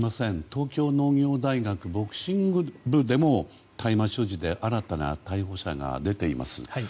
東京農業大学ボクシング部でも大麻所持で新たな逮捕者が出ています。